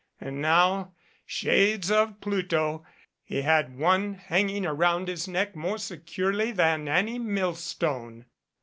And now Shades of Pluto ! He had one hanging around his neck more securely than any millstone.